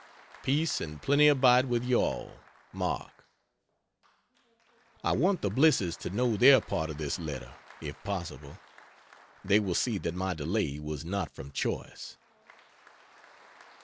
Peace and plenty abide with you all! MARK. I want the Blisses to know their part of this letter, if possible. They will see that my delay was not from choice.